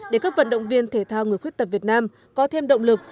để các vận động viên thể thao người khuyết tật việt nam có thêm động lực